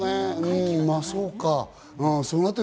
まぁ、そうか。